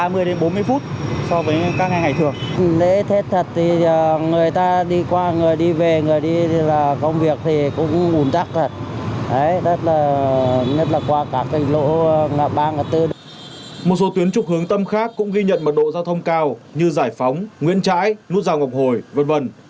một số tuyến trục hướng tâm khác cũng ghi nhận mật độ giao thông cao như giải phóng nguyễn trãi nút rào ngọc hồi v v